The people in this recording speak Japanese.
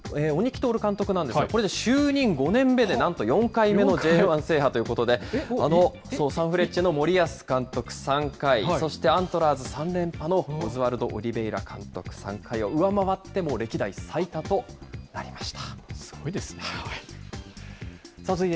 鬼木達監督なんですが、これで就任５年目でなんと４回目のＪ１制覇ということで、サンフレッチェの森保監督３回、そしてアントラーズ３連覇のオズワルド・オリヴェイラ監督３回を上回って、歴代最多となりました。